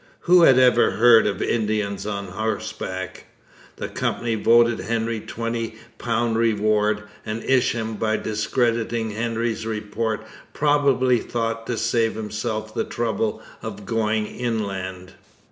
Who had ever heard of Indians on horseback? The Company voted Hendry £20 reward, and Isham by discrediting Hendry's report probably thought to save himself the trouble of going inland.